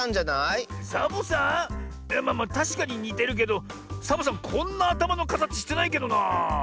いやまあまあたしかににてるけどサボさんはこんなあたまのかたちしてないけどなあ。